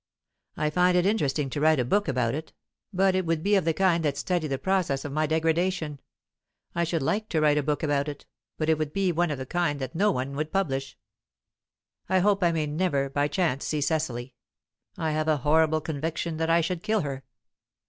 I find it interesting to write a book about it, but it would be of the kind that study the processes of my degradation. I should like to write a book about it, but it would be of the kind that no one would publish. "I hope I may never by chance see Cecily; I have a horrible conviction that I should kill her.